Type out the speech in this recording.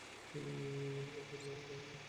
তার বদলে আমাকে মারলি!